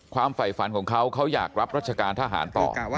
ฝ่ายฝันของเขาเขาอยากรับรัชการทหารต่อ